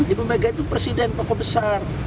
ibu mega itu presiden tokoh besar